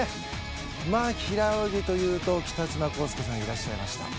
平泳ぎというと北島康介さんがいらっしゃいました。